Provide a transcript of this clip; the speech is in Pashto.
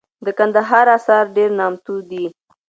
دکندهار انار دیر نامتو دي